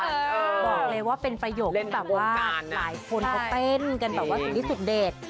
บอกเลยว่าเป็นประโยคที่แบบว่าหลายคนเขาเต้นกันแบบว่าสุดที่สุดเด็ด